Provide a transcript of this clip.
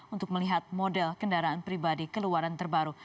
untuk melihat model kendaraan pribadi keluaran terbaru